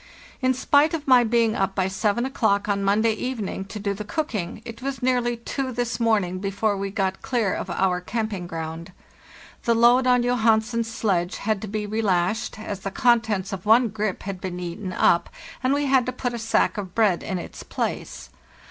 In spite of my being up by 7 o'clock on Mon day evening to do the cooking, it was nearly two this morning before we got clear of our camping ground. The load on Johansen's sledge had to be relashed, as the contents of one grip had been eaten up, and we had to put a sack of bread in its place.